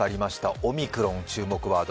オミクロン、注目ワード。